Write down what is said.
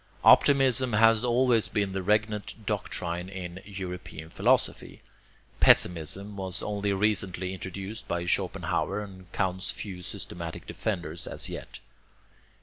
Optimism has always been the regnant DOCTRINE in european philosophy. Pessimism was only recently introduced by Schopenhauer and counts few systematic defenders as yet.